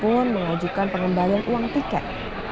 penumpang pun mengajukan pengembangan uang tiket